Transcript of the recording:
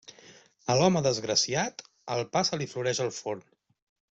A l'home desgraciat, el pa se li floreix al forn.